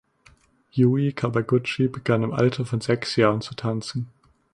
Yui Kawaguchi begann im Alter von sechs Jahren zu tanzen.